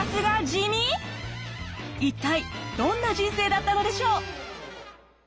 一体どんな人生だったのでしょう？